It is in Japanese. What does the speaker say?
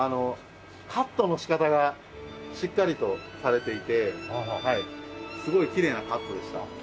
カットの仕方がしっかりとされていてすごいきれいなカットでした。